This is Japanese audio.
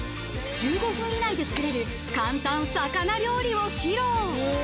１５分以内でつくれる簡単魚料理を披露。